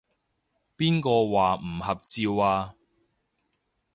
邊個話唔合照啊？